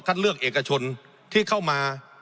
เลือกเอกชนที่เข้ามา